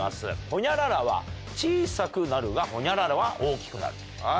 ホニャララは小さくなるが、ホニャララは大きくなる。